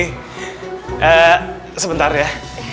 eh sebentar ya